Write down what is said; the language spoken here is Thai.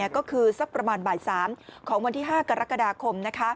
ก็คือสักประมาณบ่าย๓ของวันที่๕กรกฎาคม